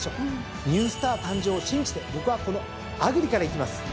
ニュースター誕生を信じて僕はこのアグリからいきます。